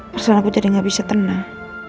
persoalan aku jadi gak bisa tenang